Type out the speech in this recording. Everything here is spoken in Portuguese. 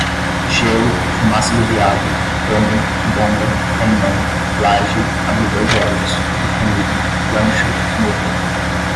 gelo, fumaça do diabo, pônei, bomba, caimão, laje, abridor de olhos, kryptonita, lancha, nuvem